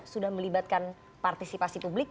sudah melibatkan partisipasi publik